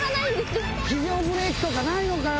⁉・・非常ブレーキとかないのかよ